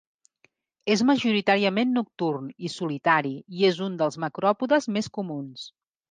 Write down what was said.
És majoritàriament nocturn i solitari i és un dels macròpodes més comuns.